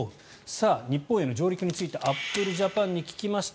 さあ、日本への上陸についてアップルジャパンに聞きました。